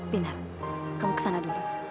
pinar kamu kesana dulu